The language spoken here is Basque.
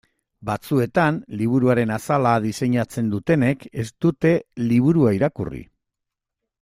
Batzuetan liburuaren azala diseinatzen dutenek ez dute liburua irakurri.